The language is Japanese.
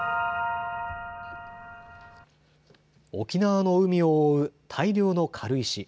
沖縄の海を覆う大量の軽石。